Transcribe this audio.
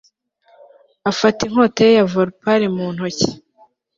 Afata inkota ye ya vorpal mu ntoki